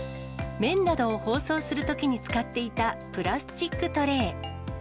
麺などを包装するときに使っていたプラスチックトレー。